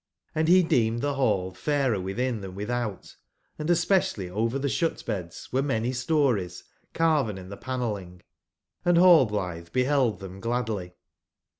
Hnd he deemed the hall fairer within than without; & especially over the shut/beds were many stories carven in the panelling, and Rallblithe be held them gladly.